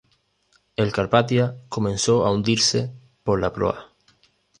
El "Carpathia" comenzó a hundirse por la proa.